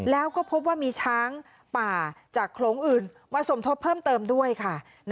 แล้วก็พบว่ามีช้างป่าจากโขลงอื่นมาสมทบเพิ่มเติมด้วยค่ะ